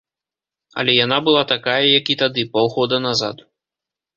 Але яна была такая, як і тады, паўгода назад.